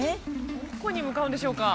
どこに向かうんでしょうか？